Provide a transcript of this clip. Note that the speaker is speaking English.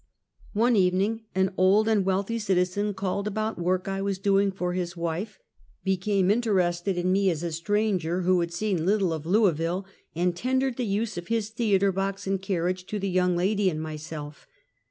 One evening an old and wealthy citizen called about work I was doing for his wife, became interested in Kentucky Contempt foe Labor. 63 me, as a stranger who had seen little of Louisville, and tendered the use of his theatre box and carriage to tlie young lady and mj^self.